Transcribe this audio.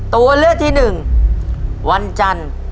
ตัวเลือกที่หนึ่งวันจันทร์